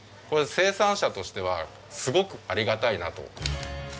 これ生産者としてはすごくありがたいなと。